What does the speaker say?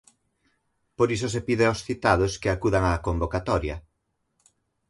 Por iso se pide ós citados que acudan á convocatoria.